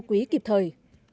cho quý kịp thời